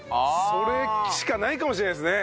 それしかないかもしれないですね。